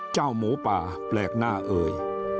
เจ้าหมูป่าแปลกหน้าเอ่ย